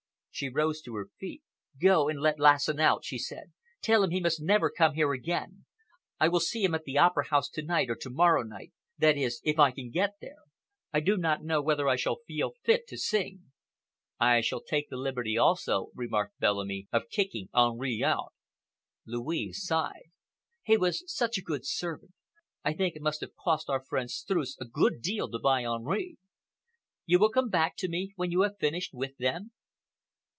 She rose to her feet. "Go and let Lassen out," she said. "Tell him he must never come here again. I will see him at the Opera House to night or to morrow night—that is, if I can get there. I do not know whether I shall feel fit to sing." "I shall take the liberty, also," remarked Bellamy, "of kicking Henri out." Louise sighed. "He was such a good servant. I think it must have cost our friend Streuss a good deal to buy Henri. You will come back to me when you have finished with them?"